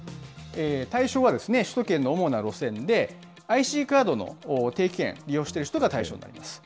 対象は首都圏の主な路線で、ＩＣカードの定期券、利用している人が対象になります。